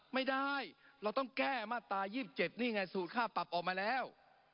ไม่ได้เราต้องแก้มาตรา๒๗นี่ไงสูตรค่าปรับออกมาแล้ว